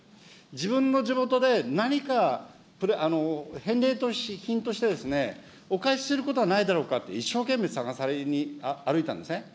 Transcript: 自分の地元で何か、返礼品としてお返しすることはないだろうかって、一生懸命探されに歩いたんですね。